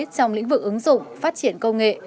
trong lĩnh vực ứng dụng phát triển công nghệ